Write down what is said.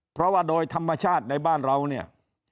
เพราะว่าโดยธรรมชาติในบ้านเราเนี่ย